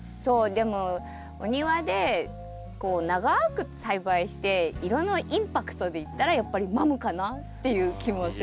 でもお庭でこう長く栽培して色のインパクトでいったらやっぱりマムかなっていう気もする。